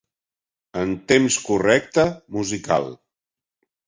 En temps correcte (musical)'